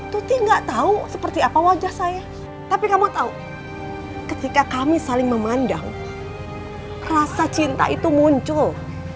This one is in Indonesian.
tuti gak tahu seperti apa wajah saya tapi kamu tahu ketika kami saling memandang rasa cinta itu muncul